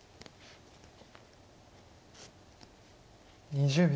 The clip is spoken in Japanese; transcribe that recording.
２０秒。